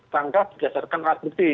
tangkap berdasarkan alat bukti